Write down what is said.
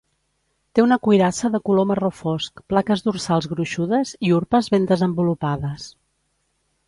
Té una cuirassa de color marró fosc, plaques dorsals gruixudes i urpes ben desenvolupades.